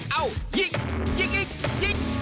เอ้ายิงยิงยิง